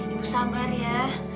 ibu sabar ya